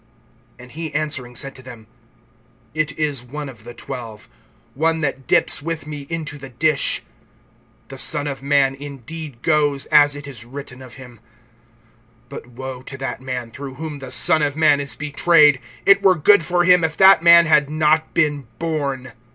(20)And he answering said to them: It is one of the twelve, one that dips with me into the dish. (21)The Son of man indeed goes, as it is written of him; but woe to that man through whom the Son of man is betrayed! It were good for him if that man had not been born.